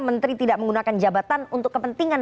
menteri tidak menggunakan jabatan untuk kepentingan